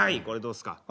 これどうですか。